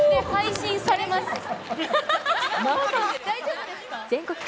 配信されます。